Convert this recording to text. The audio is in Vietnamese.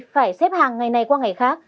phải xếp hàng ngày này qua ngày khác